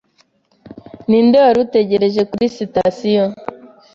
Ninde wari utegereje kuri sitasiyo?